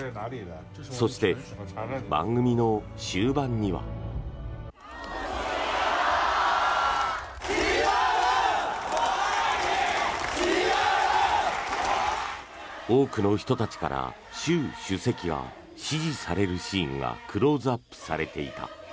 そして、番組の終盤には。多くの人たちから習主席が支持されるシーンがクローズアップされていた。